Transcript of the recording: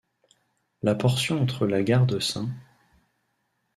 La portion entre la gare de St.